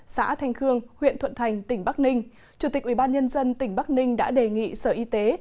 xã thanh khương huyện thuận thành tỉnh bắc ninh chủ tịch ubnd tỉnh bắc ninh đã đề nghị sở y tế